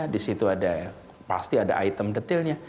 di situ ada pasti ada item detailnya